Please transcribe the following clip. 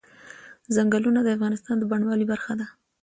ځنګلونه د افغانستان د بڼوالۍ برخه ده.